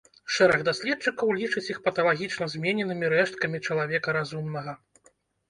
Шэраг даследчыкаў лічыць іх паталагічна змененымі рэшткамі чалавека разумнага.